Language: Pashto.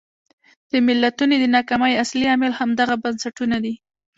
د ملتونو د ناکامۍ اصلي عامل همدغه بنسټونه دي.